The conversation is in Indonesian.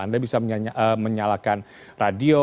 anda bisa menyalakan radio